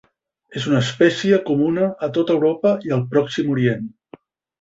És una espècie comuna a tota Europa i al Pròxim Orient.